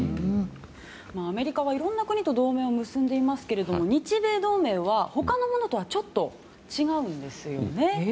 アメリカはいろんな国と同盟を結んでいますが日米同盟は他のものとはちょっと違うんですよね。